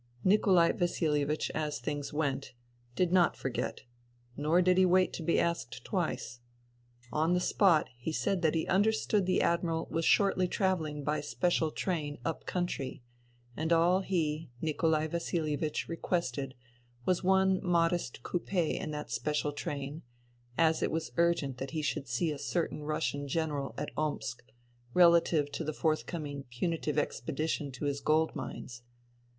..." Nikolai VasiHevich, as things went, did not for get ; nor did he wait to be asked twice. On the spot he said that he understood the Admiral was shortly INTERVENING IN SIBERIA 141 travelling by special train up country, and all he, Nikolai Vasilievich, requested was one modest coup6 in that special train, as it was urgent that he should see a certain Russian general at Omsk, relative to the forthcoming punitive expedition to his gold mines.